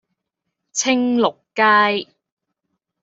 青綠街